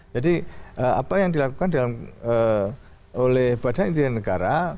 jadi apa yang dilakukan oleh badan inti negara